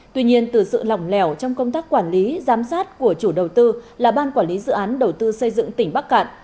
tuy nhiên từ sự lỏng lẻo trong công tác quản lý giám sát của chủ đầu tư là ban quản lý dự án đầu tư xây dựng tỉnh bắc cạn